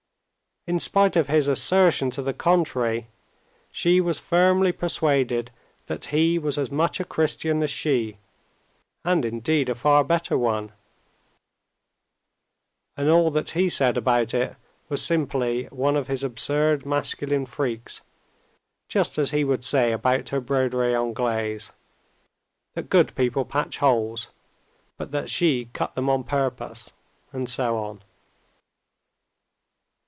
In spite of his assertion to the contrary, she was firmly persuaded that he was as much a Christian as she, and indeed a far better one; and all that he said about it was simply one of his absurd masculine freaks, just as he would say about her broderie anglaise that good people patch holes, but that she cut them on purpose, and so on.